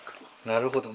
なるほど。